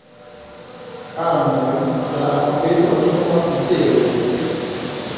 Anojn de la alfabeto oni nomas literoj.